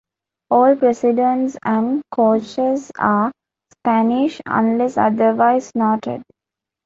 All presidents and coaches are Spanish unless otherwise noted.